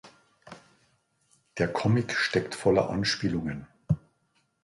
Der Comic steckt voller Anspielungen.